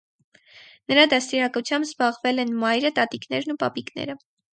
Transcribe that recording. Նրա դաստիարակությամբ զբաղվել են մայրը, տատիկներն ու պապիկները։